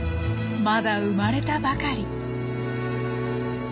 まだ生まれたばかり。